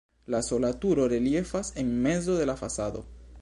La sola turo reliefas en mezo de la fasado.